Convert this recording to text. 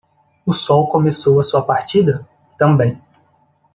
O sol começou a sua partida? também.